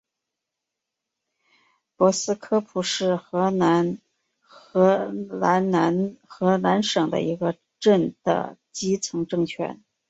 博斯科普是荷兰南荷兰省的一个镇的基层政权。